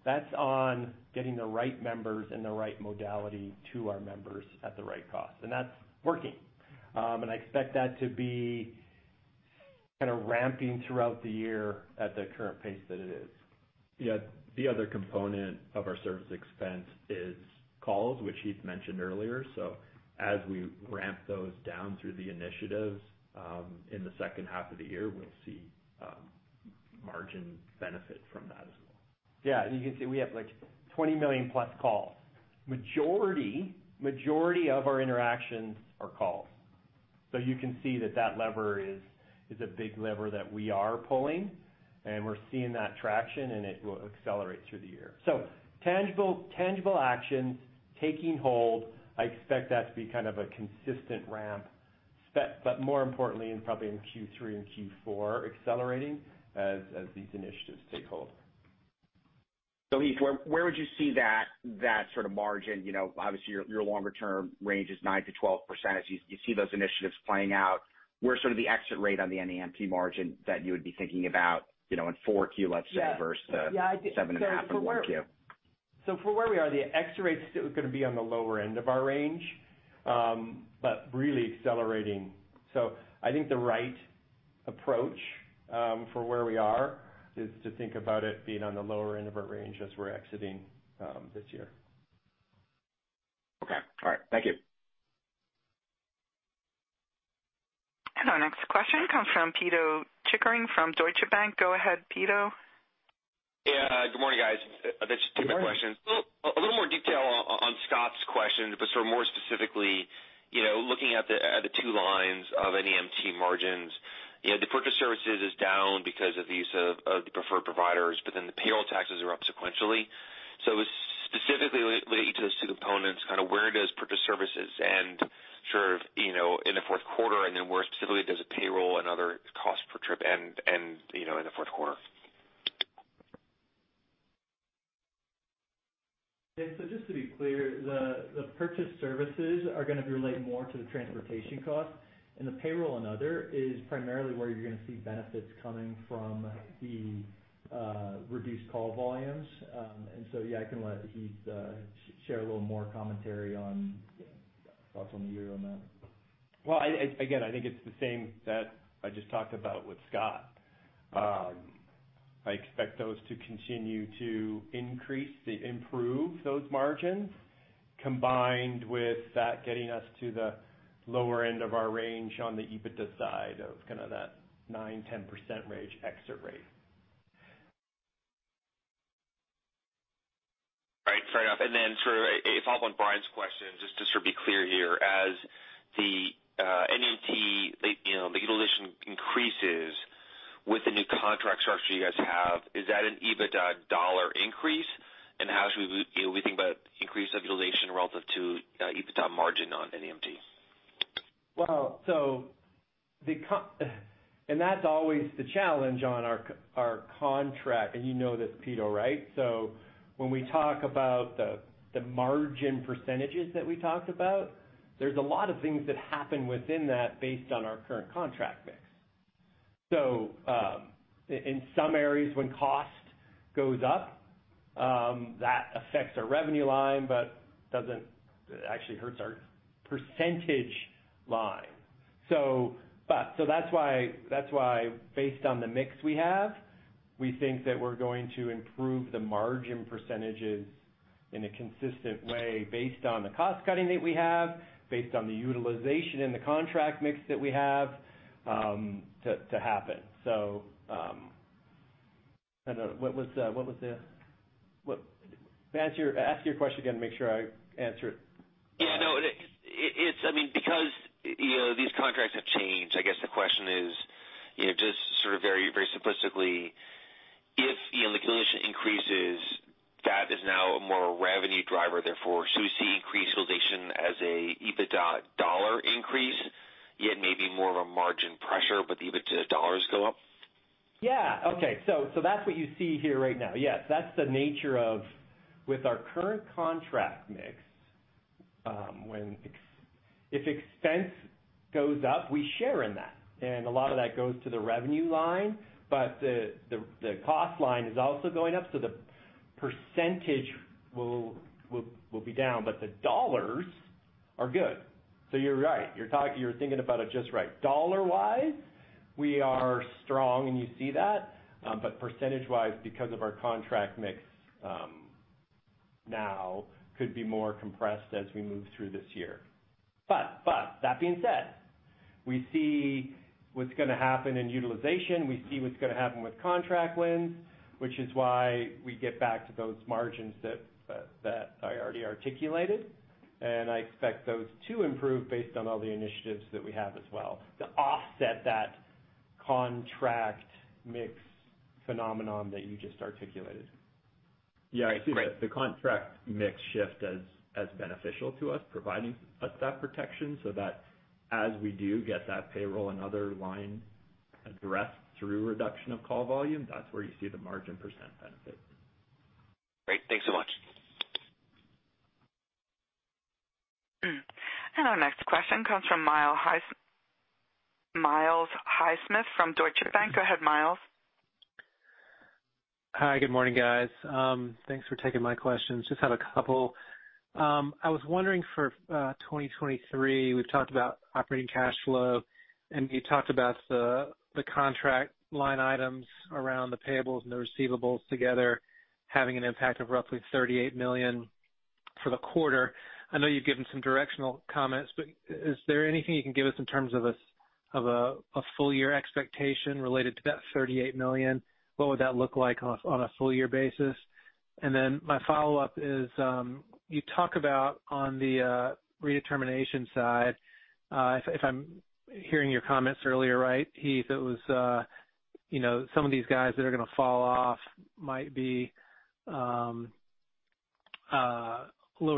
that's on getting the right members and the right modality to our members at the right cost. That's working. I expect that to be kind of ramping throughout the year at the current pace that it is. The other component of our service expense is calls, which Heath mentioned earlier. As we ramp those down through the initiatives, in the second half of the year, we'll see margin benefit from that as well. You can see we have, like, 20 million+ calls. Majority of our interactions are calls. You can see that that lever is a big lever that we are pulling, and we're seeing that traction, and it will accelerate through the year. Tangible actions taking hold. I expect that to be kind of a consistent ramp. More importantly, and probably in Q3 and Q4, accelerating as these initiatives take hold. Heath, where would you see that sort of margin? You know, obviously your longer term range is 9%-12%. As you see those initiatives playing out, where's sort of the exit rate on the NEMT margin that you would be thinking about, you know, in 4Q, let's say, versus the 7.5 in 1Q? For where we are, the exit rate's gonna be on the lower end of our range, but really accelerating. I think the right approach for where we are is to think about it being on the lower end of our range as we're exiting this year. Okay. All right. Thank you. Our next question comes from Pito Chickering from Deutsche Bank. Go ahead, Peter. Yeah, good morning, guys. Just two quick questions. A little more detail on Scott's question, but sort of more specifically, you know, looking at the, at the two lines of NEMT margins. You know, the purchase services is down because of the use of the preferred providers, but then the payroll taxes are up sequentially. Specifically related to those two components, kind of where does purchase services end sort of, you know, in the fourth quarter, and then where specifically does the payroll and other costs per trip end, you know, in the fourth quarter? Yeah. Just to be clear, the purchase services are gonna be related more to the transportation costs, and the payroll and other is primarily where you're gonna see benefits coming from the reduced call volumes. Yeah, I can let Heath share a little more commentary on thoughts on the year on that. Well, again, I think it's the same that I just talked about with Scott. I expect those to continue to increase, improve those margins, combined with that getting us to the lower end of our range on the EBITDA side of kinda that 9%-10% range exit rate. All right. Fair enough. For, a follow-on Brian's question, just to sort of be clear here. As the NEMT, the, you know, the utilization increases with the new contract structure you guys have, is that an EBITDA dollar increase? How should we, you know, we think about increase of utilization relative to EBITDA margin on NEMT? That's always the challenge on our contract, and you know this, Pito, right? When we talk about the margin percentages that we talked about, there's a lot of things that happen within that based on our current contract mix. In some areas, when cost goes up, that affects our revenue line, but doesn't. It actually hurts our percentage line. That's why based on the mix we have, we think that we're going to improve the margin percentages in a consistent way based on the cost cutting that we have, based on the utilization in the contract mix that we have, to happen. I don't know, what was the Ask your question again, make sure I answer it. Yeah. No, it's I mean, because, you know, these contracts have changed, I guess the question is, you know, just sort of very, very simplistically, if, you know, the utilization increases, that is now more a revenue driver, therefore should we see increased utilization as a EBITDA dollar increase, yet maybe more of a margin pressure, but the EBITDA dollars go up? Yeah. Okay. That's what you see here right now. Yes. That's the nature of with our current contract mix, if expense goes up, we share in that, and a lot of that goes to the revenue line, but the cost line is also going up, the percentage will be down, but the dollars are good. You're right. You're thinking about it just right. Dollar-wise, we are strong, and you see that. Percentage-wise, because of our contract mix, now could be more compressed as we move through this year. That being said, we see what's gonna happen in utilization. We see what's gonna happen with contract wins, which is why we get back to those margins that I already articulated. I expect those to improve based on all the initiatives that we have as well to offset that contract mix phenomenon that you just articulated. Yeah. I see the contract mix shift as beneficial to us, providing us that protection so that as we do get that payroll and other line addressed through reduction of call volume, that's where you see the margin percent benefit. Great. Thanks so much. Our next question comes from Miles Highsmith from Deutsche Bank. Go ahead, Miles. Hi, good morning, guys. Thanks for taking my questions. Just have a couple. I was wondering for 2023, we've talked about operating cash flow, and you talked about the contract line items around the payables and the receivables together having an impact of roughly $38 million for the quarter. I know you've given some directional comments, but is there anything you can give us in terms of a full year expectation related to that $38 million? Then my follow-up is, you talk about on the redetermination side, if I'm hearing your comments earlier, right, Heath, it was, you know, some of these guys that are gonna fall off might be lower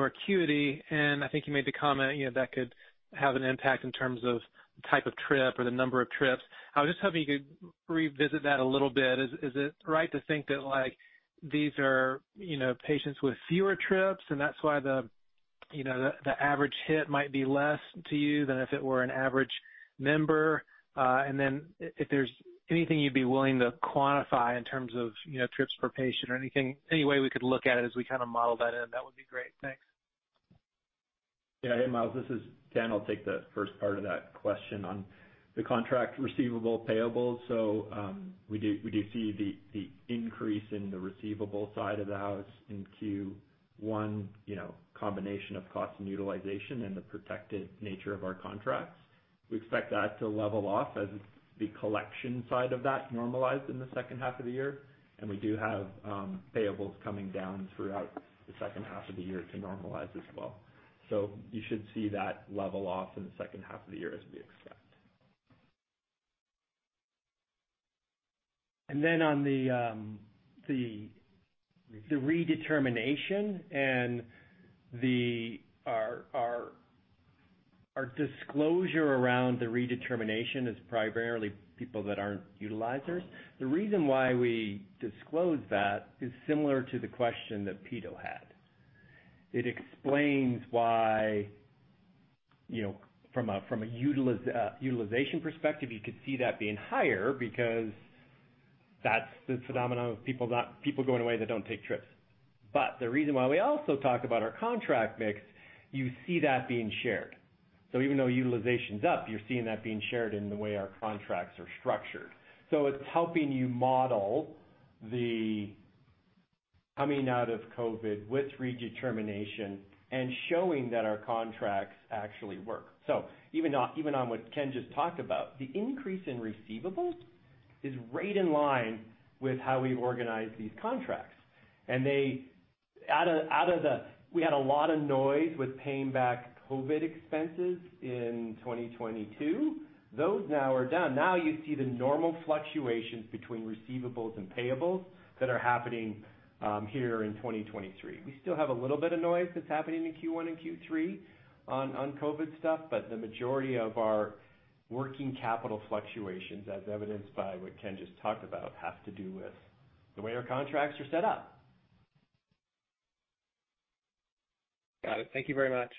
acuity. I think you made the comment, you know, that could have an impact in terms of the type of trip or the number of trips. I was just hoping you could revisit that a little bit. Is it right to think that, like, these are, you know, patients with fewer trips, and that's why the average hit might be less to you than if it were an average member? If there's anything you'd be willing to quantify in terms of, you know, trips per patient or anything, any way we could look at it as we kind of model that in, that would be great. Thanks. Hey, Miles, this is Ken. I'll take the first part of that question on the contract receivable payables. We do see the increase in the receivable side of the house into one, you know, combination of cost and utilization and the protected nature of our contracts. We expect that to level off as the collection side of that normalized in the second half of the year. We do have payables coming down throughout the second half of the year to normalize as well. You should see that level off in the second half of the year as we expect. On the redetermination and our disclosure around the redetermination is primarily people that aren't utilizers. The reason why we disclose that is similar to the question that Peter had. It explains why, you know, from a utilization perspective, you could see that being higher because that's the phenomenon of people going away that don't take trips. The reason why we also talk about our contract mix, you see that being shared. Even though utilization's up, you're seeing that being shared in the way our contracts are structured. It's helping you model the coming out of COVID with redetermination and showing that our contracts actually work. Even on what Ken just talked about, the increase in receivables is right in line with how we organize these contracts. We had a lot of noise with paying back COVID expenses in 2022. Those now are done. Now you see the normal fluctuations between receivables and payables that are happening here in 2023. We still have a little bit of noise that's happening in Q1 and Q3 on COVID stuff, but the majority of our working capital fluctuations, as evidenced by what Ken just talked about, have to do with the way our contracts are set up. Got it. Thank you very much.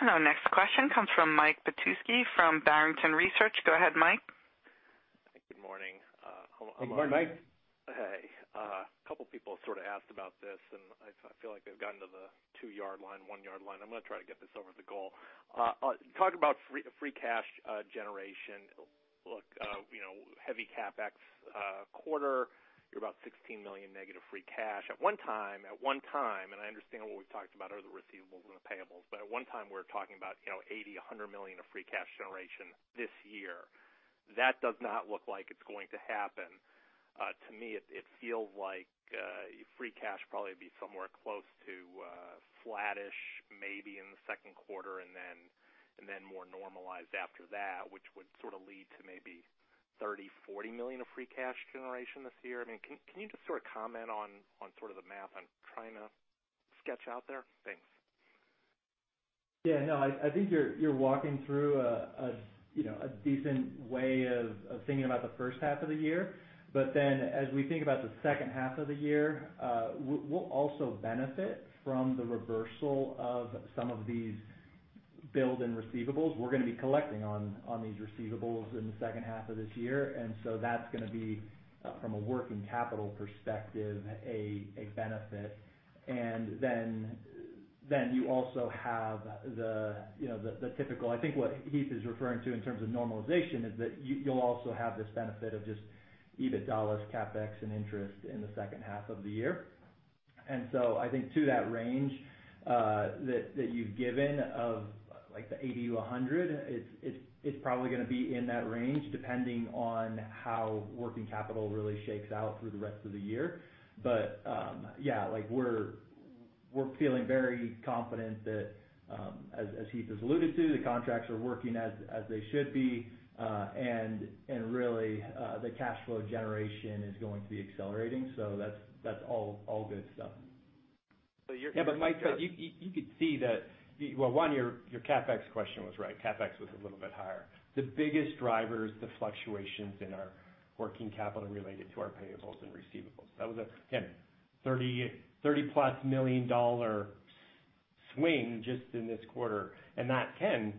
Our next question comes from Mike Petusky from Barrington Research. Go ahead, Mike. Good morning. Good morning, Mike. Hey. A couple people sort of asked about this, and I feel like they've gotten to the two-yard line, one-yard line. I'm gonna try to get this over the goal. Talking about free cash generation. Look, you know, heavy CapEx quarter, you're about -$16 million free cash. At one time, and I understand what we've talked about are the receivables and the payables, at one time, we were talking about, you know, $80 million-$100 million of free cash generation this year. That does not look like it's going to happen. To me, it feels like free cash probably be somewhere close to flattish maybe in the second quarter and then more normalized after that, which would sort of lead to maybe $30 million-$40 million of free cash generation this year. I mean, can you just sort of comment on sort of the math I'm trying to sketch out there? Thanks. Yeah, no. I think you're walking through a, you know, a decent way of thinking about the first half of the year. As we think about the second half of the year, we'll also benefit from the reversal of some of these build in receivables. We're gonna be collecting on these receivables in the second half of this year. That's gonna be, from a working capital perspective, a benefit. Then you also have the, you know, the typical... I think what Heath is referring to in terms of normalization is that you'll also have this benefit of just EBITDA, CapEx, and interest in the second half of the year. I think to that range, that you've given of, like, the 80-100, it's probably going to be in that range depending on how working capital really shakes out through the rest of the year. Yeah, like we're feeling very confident that as Heath has alluded to, the contracts are working as they should be, and really, the cash flow generation is going to be accelerating. That's all good stuff. Yeah. Mike, you could see that, well, one, your CapEx question was right. CapEx was a little bit higher. The biggest driver is the fluctuations in our working capital related to our payables and receivables. That was, again, $30 million+ swing just in this quarter, that can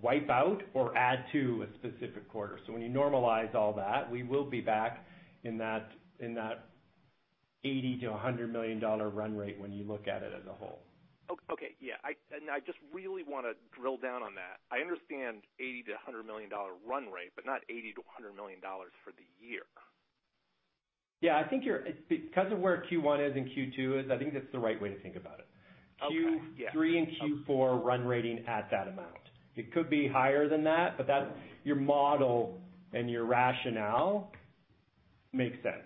wipe out or add to a specific quarter. When you normalize all that, we will be back in that, in that $80 million-$100 million dollar run rate when you look at it as a whole. Okay. Yeah, I just really wanna drill down on that. I understand $80 million-$100 million dollar run rate, but not $80 million-$100 million for the year. Yeah, I think it's because of where Q1 is and Q2 is, I think that's the right way to think about it. Q3 and Q4 run rating at that amount. It could be higher than that, but that's your model and your rationale makes sense.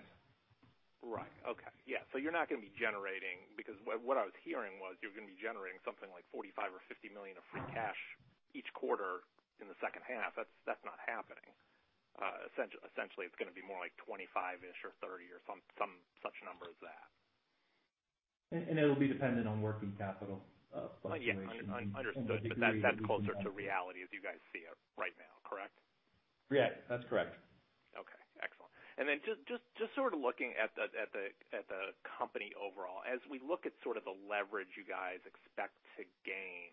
Right. Okay. Yeah. You're not gonna be generating because what I was hearing was you're gonna be generating something like $45 million or $50 million of free cash each quarter in the second half. That's not happening. Essentially it's gonna be more like $25-ish or $30 or some such number as that. It'll be dependent on working capital fluctuation. Yeah. Understood. That's closer to reality as you guys see it right now, correct? Yeah, that's correct. Okay, excellent. Then just sort of looking at the company overall. As we look at sort of the leverage you guys expect to gain,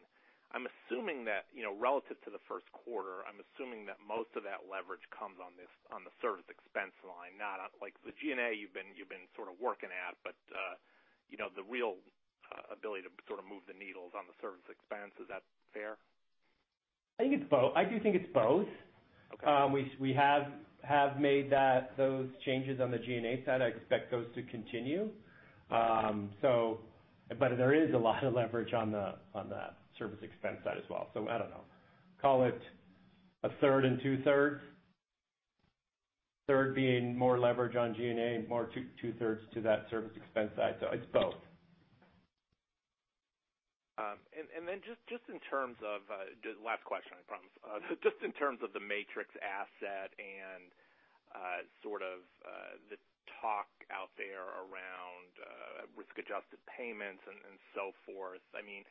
I'm assuming that, you know, relative to the first quarter, I'm assuming that most of that leverage comes on the service expense line, not on like the G&A you've been sort of working at, but, you know, the real ability to sort of move the needle is on the service expense. Is that fair? I think it's both. I do think it's both. We have made those changes on the G&A side. I expect those to continue. But there is a lot of leverage on the service expense side as well. I don't know, call it 1/3 and 2/3. Third being more leverage on G&A and more 2/3 to that service expense side. It's both. And then just in terms of last question, I promise. Uh, just in terms of the Matrix asset and the talk out there around, risk-adjusted payments and, and so forth, I mean,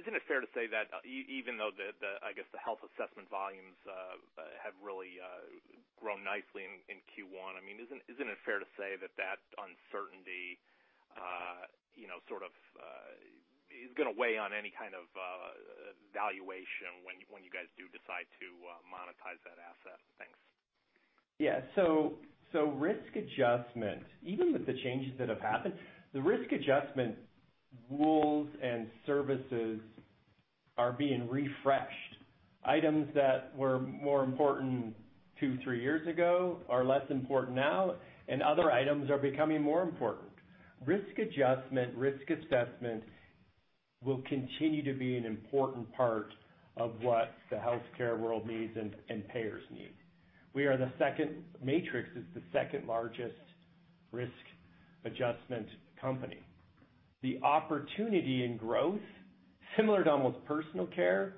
isn't it fair to say that e-even though the, the, I guess, the health assessment volumes, have really, grown nicely in Q1, I mean, isn't, isn't it fair to say that that uncertainty, you know, sort of, is gonna weigh on any kind of valuation when you guys do decide to monetize that asset? Thanks. Yeah. Risk adjustment, even with the changes that have happened, the risk adjustment rules and services are being refreshed. Items that were more important 2-3 years ago are less important now, and other items are becoming more important. Risk adjustment, risk assessment will continue to be an important part of what the healthcare world needs and payers need. Matrix is the second-largest risk adjustment company. The opportunity in growth, similar to almost personal care,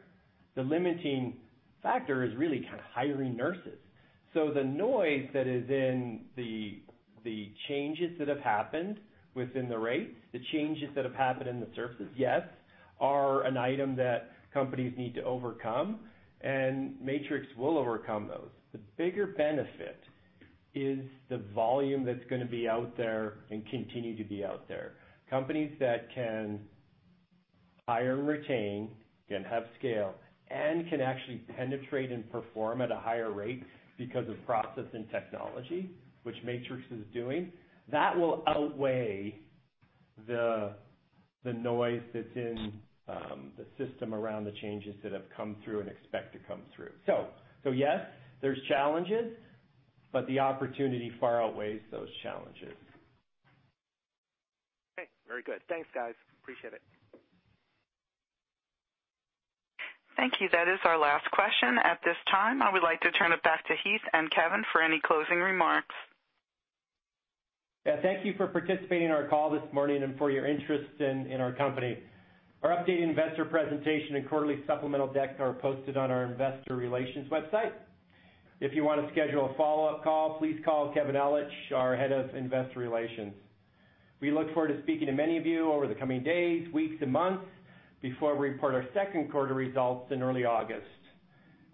the limiting factor is really kind of hiring nurses. The noise that is in the changes that have happened within the rates, the changes that have happened in the services, yes, are an item that companies need to overcome, and Matrix will overcome those. The bigger benefit is the volume that's gonna be out there and continue to be out there. Companies that can hire and retain, can have scale, and can actually penetrate and perform at a higher rate because of process and technology, which Matrix is doing, that will outweigh the noise that's in the system around the changes that have come through and expect to come through. Yes, there's challenges, but the opportunity far outweighs those challenges. Okay. Very good. Thanks, guys. Appreciate it. Thank you. That is our last question. At this time, I would like to turn it back to Heath and Kevin for any closing remarks. Yeah, thank you for participating in our call this morning and for your interest in our company. Our updated investor presentation and quarterly supplemental decks are posted on our investor relations website. If you wanna schedule a follow-up call, please call Kevin Ellich, our Head of Investor Relations. We look forward to speaking to many of you over the coming days, weeks, and months before we report our second quarter results in early August.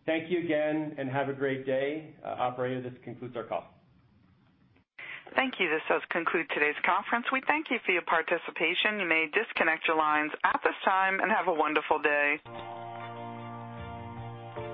Thank you again. Have a great day. Operator, this concludes our call. Thank you. This does conclude today's conference. We thank you for your participation. You may disconnect your lines at this time, and have a wonderful day.